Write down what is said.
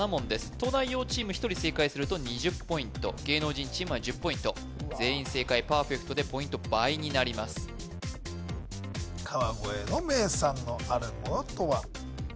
東大王チーム１人正解すると２０ポイント芸能人チームは１０ポイント全員正解パーフェクトでポイント倍になります川越の名産のあるものとは？